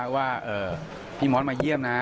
ว่าพี่มอสมาเยี่ยมนะ